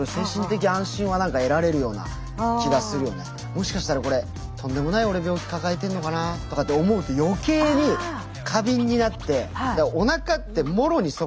もしかしたらこれとんでもない俺病気抱えてんのかなとかって思うと余計に過敏になって。